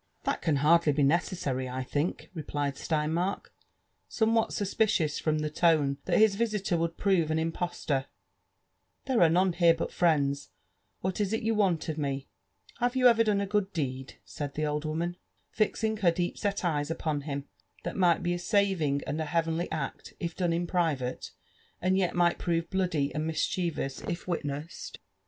^' That can hardly be nece||»ary, I think," replied Steinmark, some what suspicious from the tone that his visitor would prove an impose tor ;there are none here but friends — what is it you want of me ?" Have you never done a good deed," said the old woman, fixing herdeep *set eyes upon him, '* that might be a saving and a heavenly act if done in private, and yet might prove bloody and mischievous if witnessed?"